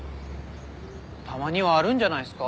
たまにはあるんじゃないっすか？